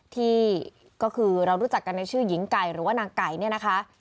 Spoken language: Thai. ที่ก็คือเรารู้จักกันในชื่อหญิงไก่หรือว่านางไก่เนี่ยนะคะ